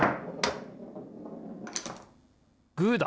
グーだ！